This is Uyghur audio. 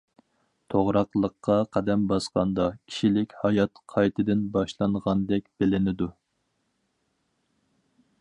توغراقلىققا قەدەم باسقاندا كىشىلىك ھايات قايتىدىن باشلانغاندەك بىلىنىدۇ.